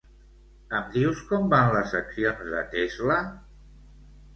Em dius com van les accions de Tesla?